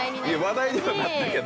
話題にはなったけど。